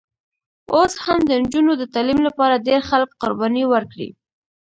اوس هم د نجونو د تعلیم لپاره ډېر خلک قربانۍ ورکړي.